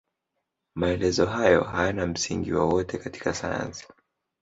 Maelezo hayo hayana msingi wowote katika sayansi.